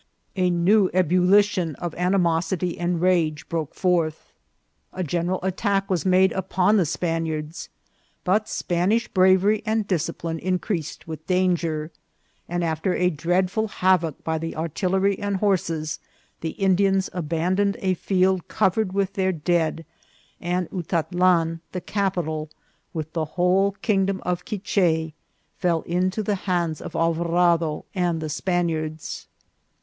A new ebullition of animosity and rage broke forth. A general attack was made upon the Spaniards ; but Spanish bravery and discipline increased with danger ; and after a dreadful havoc by the artillery and horses, the Indians aban doned a field covered with their dead, and Utatlan, the capital, with the whole kingdom of Quiche, fell into the hands of Alvarado and the Spaniards.